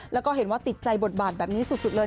แล้วก็เห็นว่าติดใจบทบาทแบบนี้สุดเลย